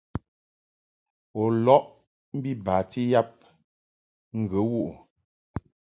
U lɔʼ mbi bati yab ghə wuʼ ɨ ?